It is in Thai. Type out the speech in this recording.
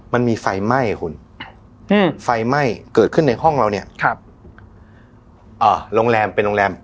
มันมีไฟไหม้คุณอืมไฟไหม้เกิดขึ้นในห้องเราเนี่ยครับอ่าโรงแรมเป็นโรงแรม